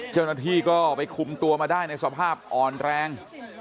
เจ้าหน้าที่ก็ไปคุมตัวมาได้ในสภาพอ่อนแรง